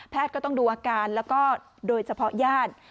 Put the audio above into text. ก็ต้องดูอาการแล้วก็โดยเฉพาะญาติ